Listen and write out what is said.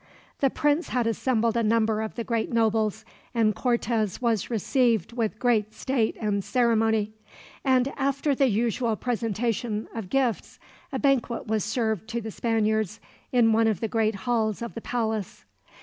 The prince had assembled a number of the great nobles, and Cortez was received with great state and ceremony; and after the usual presentation of gifts, a banquet was served to the Spaniards in one of the great halls of the palace.